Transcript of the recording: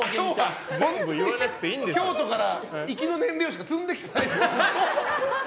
京都から行きの燃料しか積んできてないんですね。